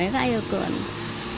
itu tidak ada apa apa